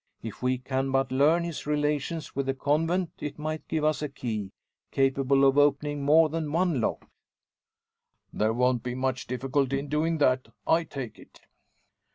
If we can but learn his relations with the convent it might give us a key, capable of opening more than one lock." "There won't be much difficulty in doing that, I take it.